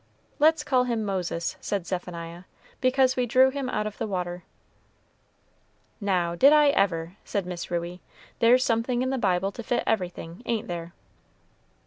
"Let's call him Moses," said Zephaniah, "because we drew him out of the water." "Now, did I ever!" said Miss Ruey; "there's something in the Bible to fit everything, ain't there?"